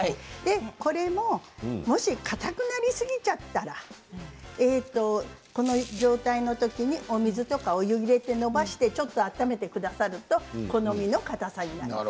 これももしかたくなりすぎちゃったらからこの状態のときにお水とかお湯を入れてのばして温めてくだされば好みのかたさになります。